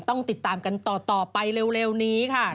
ต้องติดตามกันต่อไปเร็วนี้ค่ะ